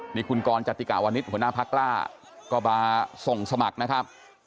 พระอาควรจัดการนี้ผมน้องพักล้าก็มาส่งสมัครนะครับ